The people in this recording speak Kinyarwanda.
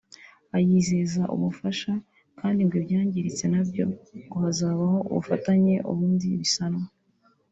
ayizeza ubufasha kandi ngo ibyangiritse nabyo ngo hazabaho ubufatanye ubundi bisanwe